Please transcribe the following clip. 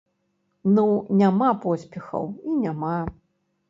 Ну, няма поспехаў і няма.